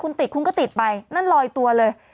คุณติดคุณก็ติดไปนั่นลอยตัวเลย